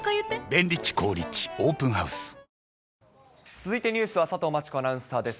続いてニュースは佐藤真知子アナウンサーです。